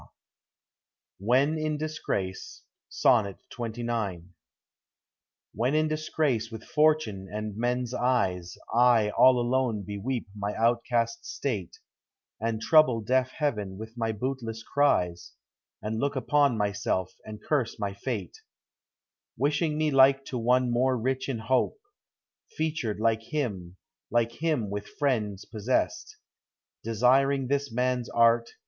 J WHEN IN DISGRACE. SONNET XXIX. When in disgrace with fortune and men's eyes, 1 all alone beweep my outcast state, And trouble deaf Heaven with my bootless cries, And look upon myself, and curse my fate, Wishing me like to one more rich in hope, Featured like him, like him with friends pos sessed, Desiring this man's art.